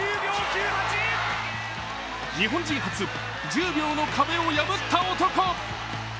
日本人初１０秒の壁を破った男。